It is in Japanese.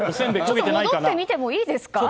戻ってみていいですか。